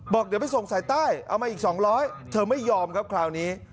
บอกเดี๋ยวไปส่งสายใต้เอามาอีก๒๐๐เธอไม่ยอมครับคราวนี้